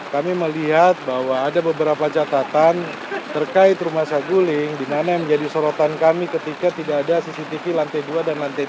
kami melihat bahwa ada beberapa catatan terkait rumah saguling di mana yang menjadi sorotan kami ketika tidak ada cctv lantai dua dan lantai dua